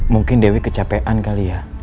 mungkin dewi kecapean kali ya